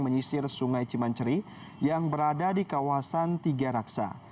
menyisir sungai cimanceri yang berada di kawasan tiga raksa